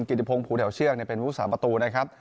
กิจพงศ์ภูแถวเชือกเป็นผู้สาประตูนะครับ